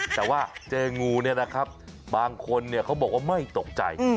แต่ว่าเจองูบางคนเขาบอกว่าไม่ตกใจ